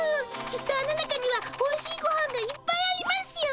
きっとあの中にはおいしいごはんがいっぱいありますよ！